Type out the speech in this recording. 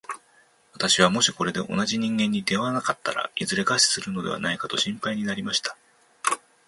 私はもしこれで同じ人間に出会わなかったら、いずれ餓死するのではないかと心配になりました。